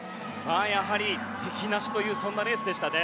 やはり敵なしというそんなレースでしたね。